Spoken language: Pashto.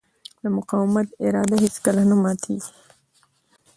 د مقاومت اراده هېڅکله نه ماتېږي.